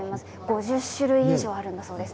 ５０種類以上あるんだそうです。